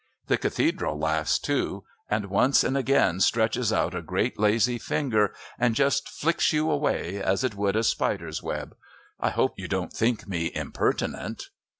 The Cathedral laughs too, and once and again stretches out a great lazy finger and just flicks you away as it would a spider's web. I hope you don't think me impertinent."